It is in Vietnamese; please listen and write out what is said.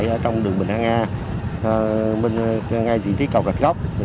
ở trong đường bình an nga ngay vị trí cầu cạch góc